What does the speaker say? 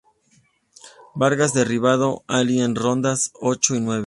Vargas derribado Ali en rondas ocho y nueve.